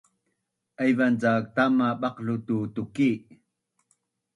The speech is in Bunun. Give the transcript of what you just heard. Aivan cak tama baqlu tu tuki